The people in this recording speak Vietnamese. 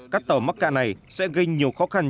các tàu mắc ca này sẽ gây nhiều khó khăn